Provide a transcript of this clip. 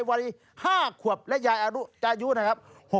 วัย๕สัยและหญ้าอายุนะครับ